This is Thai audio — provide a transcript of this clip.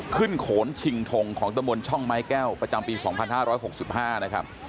โขนชิงทงของตะมนต์ช่องไม้แก้วประจำปี๒๕๖๕นะครับ